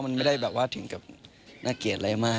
มันไม่ได้แบบว่าถึงกับน่าเกลียดอะไรมาก